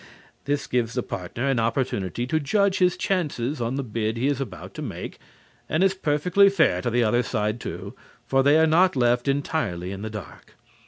This gives the partner an opportunity to judge his chances on the bid he is about to make, and is perfectly fair to the other side, too, for they are not left entirely in the dark.